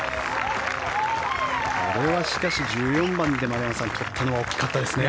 これはしかし１４番で取ったのは大きかったですね。